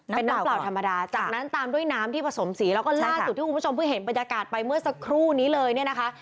เป็นน้ำเปล่าธรรมดาจากนั้นตามด้วยน้ำที่ผสมสีแล้วก็ล่าสุดที่คุณผู้ชมเพิ่งเห็นบรรยากาศไปเมื่อสักครู่นี้เลยเนี่ยนะคะ